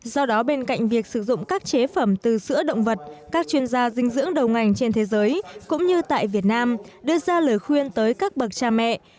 do đó bên cạnh việc sử dụng các chế phẩm từ sữa động vật các chuyên gia dinh dưỡng đầu ngành trên thế giới cũng như tại việt nam đưa ra lời khuyên tới các bậc cha mẹ